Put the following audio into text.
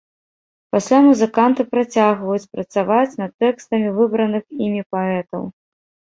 Пасля музыканты працягваюць працаваць над тэкстамі выбраных імі паэтаў.